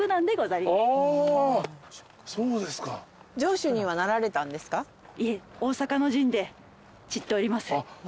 いえ大坂の陣で散っております。